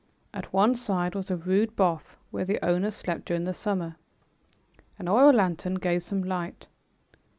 At one side was a rude booth where the owner slept during the summer. An oil lantern gave some light.